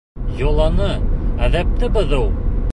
Йоланы, әҙәпте боҙоу!